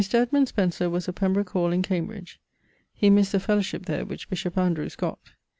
Mr. Edmund Spencer was of Pembrooke hall in Cambridge; he misst the fellowship there which bishop Andrewes gott.